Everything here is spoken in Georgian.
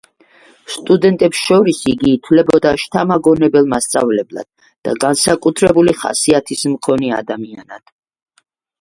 სტუდენტებს შორის, იგი ითვლებოდა შთამაგონებელ მასწავლებლად და განსაკუთრებული ხასიათის მქონე ადამიანად.